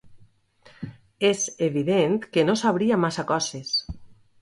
És evident que no sabria massa coses...